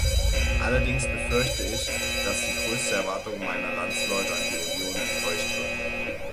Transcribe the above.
Allerdings befürchte ich, dass die größte Erwartung meiner Landsleute an die Union enttäuscht wird.